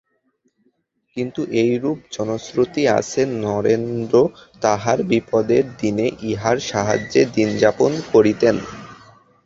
কিন্তু এইরূপ জনশ্রুতি আছে, নরেন্দ্র তাহার বিপদের দিনে ইহার সাহায্যে দিনযাপন করিতেন।